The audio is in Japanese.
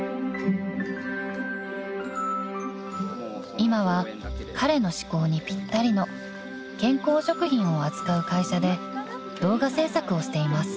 ［今は彼の志向にぴったりの健康食品を扱う会社で動画制作をしています］